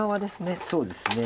そうですね